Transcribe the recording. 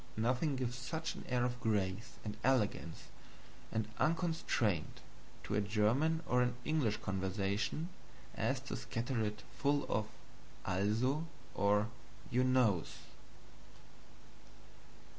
Nothing gives such an air of grace and elegance and unconstraint to a German or an English conversation as to scatter it full of "Also's" or "You knows."